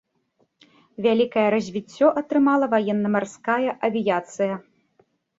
Вялікае развіццё атрымала ваенна-марская авіяцыя.